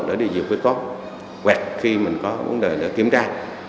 để đi dự quyết tốt quẹt khi mình có vấn đề để kiểm tra